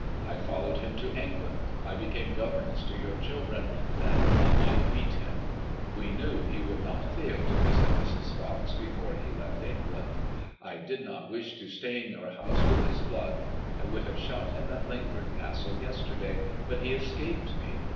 I followed him to England ; I became governess to your children that I might meet him* We knew he would not ^ MADSliOlSSLLB IXS. l6l fail to visit Mrs. Pox before he left England. I did not wish to stain your house with his blood. I would have shot him at Ling ford Castle yesterday, but he escaped me.